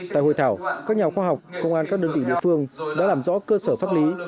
tại hội thảo các nhà khoa học công an các đơn vị địa phương đã làm rõ cơ sở pháp lý